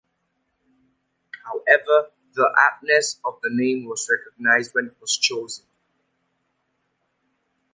However, the aptness of the name was recognized when it was chosen.